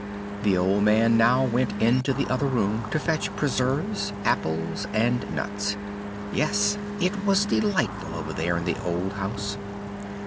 The old man now went into the other room to fetch preserves, apples, and nuts yes, it was delightful over there in the old house.